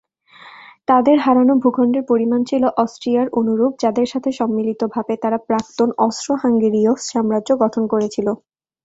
তাদের হারানো ভূখণ্ডের পরিমাণ ছিল অস্ট্রিয়ার অনুরূপ, যাদের সাথে সম্মিলিতভাবে তারা প্রাক্তন অস্ট্রো-হাঙ্গেরীয় সাম্রাজ্য গঠন করেছিল।